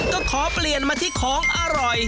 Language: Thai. ก็ขอเปลี่ยนมาที่ของอร่อย